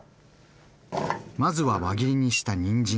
まずは輪切りにしたにんじん。